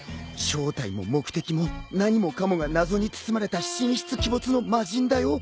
正体も目的も何もかもが謎に包まれた神出鬼没の魔人だよ。